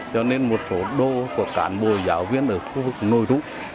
cho nên một số đô của cản bồi giáo viên ở khu vực nội rũ